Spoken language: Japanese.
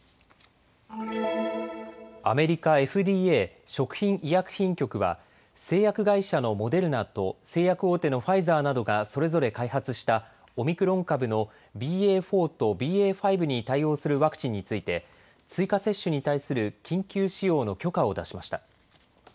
アメリカＦＤＡ・食品医薬品局は製薬会社のモデルナと製薬大手のファイザーなどがそれぞれ開発したオミクロン株のＢＡ．４とＢＡ．５に対応するワクチンについて追加接種に対する緊急使用の許可を出しました。